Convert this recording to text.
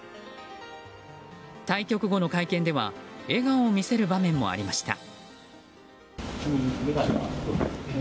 対局後の会見では笑顔を見せる場面もありました。